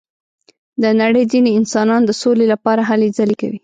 د نړۍ ځینې انسانان د سولې لپاره هلې ځلې کوي.